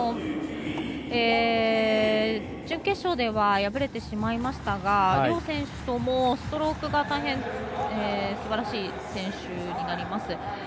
準決勝では敗れてしまいましたが両選手ともストロークが大変すばらしい選手になります。